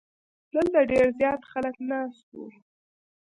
دلته ډیر زیات خلک ناست وو.